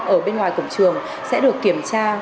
ở bên ngoài cổng trường sẽ được kiểm tra